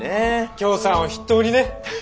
きょーさんを筆頭にね。